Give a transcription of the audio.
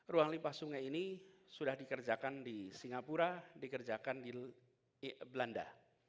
ruang limpah sungai ini sudah dikerjakan di singapura dikerjakan di belanda